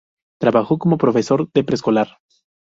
Trabajó como profesor de preescolar.